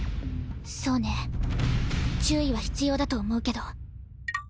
そうね注意は必要だと思うけど。